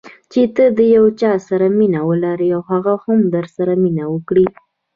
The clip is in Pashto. چې ته د یو چا سره مینه ولرې او هغه هم درسره مینه وکړي.